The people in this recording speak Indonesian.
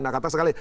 nah kata sekali